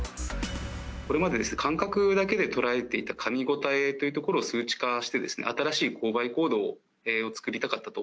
これまで感覚だけで捉えていたかみ応えというところを数値化してですね、新しい購買行動を作りたかったと。